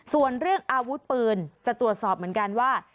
ส่วนเรื่องอาวุธปืนจะตรวจสอบเหมือนกันว่า